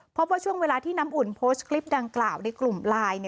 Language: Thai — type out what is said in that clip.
พบว่าช่วงเวลาที่น้ำอุ่นโพสต์คลิปดังกล่าวในกลุ่มไลน์